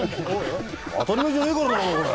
当たり前じゃねえからな！